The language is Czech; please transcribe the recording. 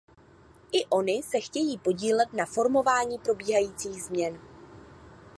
I ony se chtějí podílet na formování probíhajících změn.